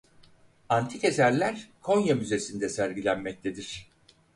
Antik eserler Konya Müzesi'nde sergilenmektedir.